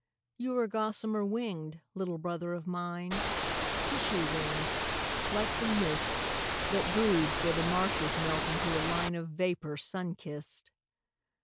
You are gossamer winged, little brother of mine, Tissue winged, like the mist That broods where the marshes melt into a line Of vapour sun kissed.